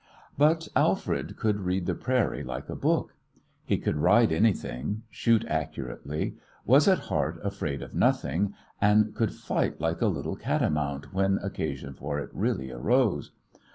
But Alfred could read the prairie like a book. He could ride anything, shoot accurately, was at heart afraid of nothing, and could fight like a little catamount when occasion for it really arose.